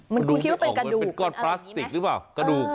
มันคุณคิดว่าเป็นกระดูก